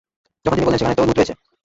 তখন তিনি বললেন, সেখানে তো লূত রয়েছে।